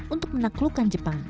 untuk menaklukkan jepang